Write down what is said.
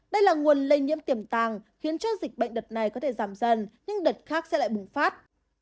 đây là nguồn lây nhiễm tiềm tàng khiến cho dịch bệnh đợt này có thể giảm dần nhưng đợt khác sẽ lại bùng phát